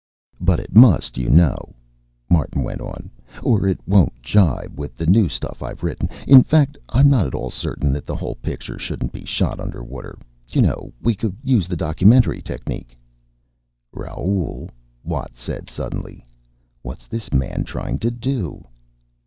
"But it must, you know," Martin went on. "Or it won't jibe with the new stuff I've written in. In fact, I'm not at all certain that the whole picture shouldn't be shot under water. You know, we could use the documentary technique " "Raoul," Watt said suddenly, "what's this man trying to do?"